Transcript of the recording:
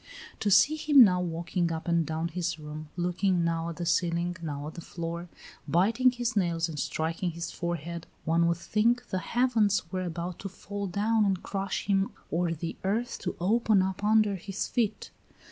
To see him now walking up and down his room, looking now at the ceiling, now at the floor, biting his nails and striking his forehead, one would think the heavens were about to fall down and crush him or the earth to open up under his feet.